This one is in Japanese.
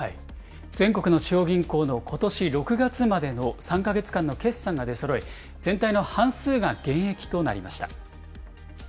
全国の地方銀行のことし６月までの３か月間の決算が出そろい、全体の半数が減益となりました。